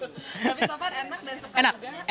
tapi sopan enak dan sempat